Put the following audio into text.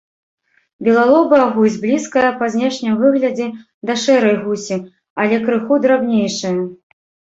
Белалобая гусь блізкая па знешнім выглядзе да шэрай гусі, але крыху драбнейшая.